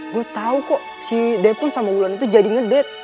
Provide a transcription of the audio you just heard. gue tau kok si dai pun sama wulan itu jadi ngedet